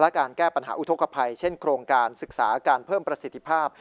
และการแก้ปัญหาอุทธกภัยเช่นโครงการศึกษาการเพิ่มประสิทธิภาพ